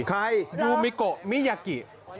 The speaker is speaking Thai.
ใครรักดูมิโกะมิยากิ